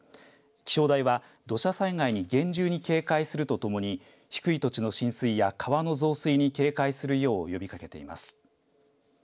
気象台は、土砂災害厳重に警戒するとともに低い土地の浸水や川の増水に警戒するよう呼びかけています。